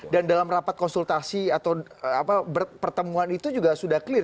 dan dalam rapat konsultasi atau pertemuan itu juga sudah clear